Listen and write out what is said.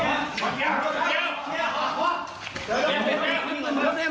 อย่ามื้อไว้อย่ามื้อไว้อย่ามื้อไว้